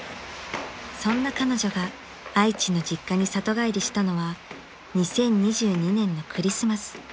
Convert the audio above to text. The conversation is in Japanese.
［そんな彼女が愛知の実家に里帰りしたのは２０２２年のクリスマス］